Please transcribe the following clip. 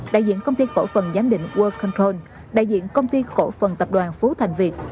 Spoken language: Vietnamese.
đại diện công ty cổ phần giám định world cunton đại diện công ty cổ phần tập đoàn phú thành việt